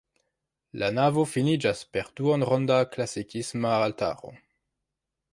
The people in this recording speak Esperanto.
La navo finiĝas per duonronda klasikisma altaro.